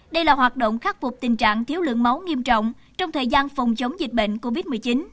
đây là hoạt động khắc phục tình trạng thiếu lượng máu nghiêm trọng trong thời gian phòng chống dịch bệnh covid một mươi chín